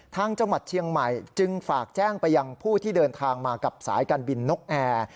จังหวัดเชียงใหม่จึงฝากแจ้งไปยังผู้ที่เดินทางมากับสายการบินนกแอร์